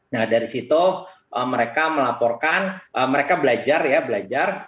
nah dari situ mereka melaporkan mereka belajar ya belajar